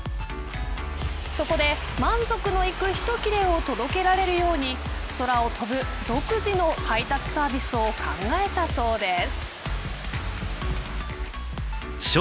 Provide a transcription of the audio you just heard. そこで、満足のいく一切れを届けられるように空を飛ぶ独自の配達サービスを考えたそうです。